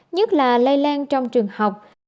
nhất là lây lan trong trường học